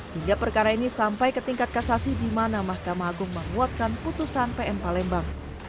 hingga perkara ini sampai ke tingkat kasasi di mana mahkamah agung menguatkan putusan pn palembang